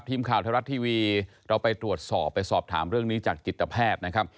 ทีมคาวธรัตน์ทีวีเราไปตรวจสอบไปสอบถามเรื่องนี้จากจิตแพทย์